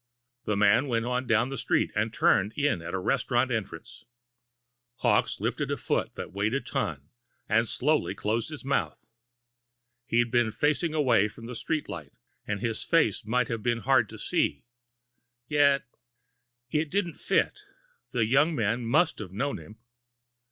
The man went on down the street, and turned in at the restaurant entrance. Hawkes lifted a foot that weighed a ton and slowly closed his mouth. He'd been facing away from the street light and his face might have been hard to see. Yet.... It didn't fit. The young man must have known him!